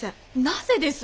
なぜです？